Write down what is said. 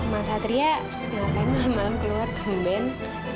mas satria ngapain malem malem keluar ke band